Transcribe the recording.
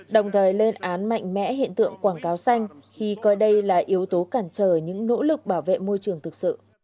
đồng thời lên án mạnh mẽ hiện tượng quảng cáo xanh khi coi đây là yếu tố cản trở những nỗ lực bảo vệ môi trường thực sự